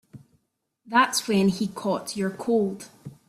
That's when he caught your cold.